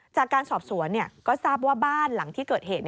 จากการสอบสวนก็ทราบว่าบ้านหลังที่เกิดเหตุ